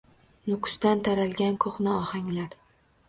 Nukusdan taralgan qo‘hna ohanglar